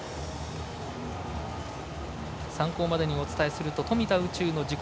参考までにお伝えすると富田宇宙の自己